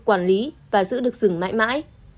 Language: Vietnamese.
quản lý và giữ được rừng mãi mãi